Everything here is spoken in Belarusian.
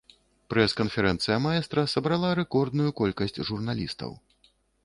Прэс-канферэнцыя маэстра сабрала рэкордную колькасць журналістаў.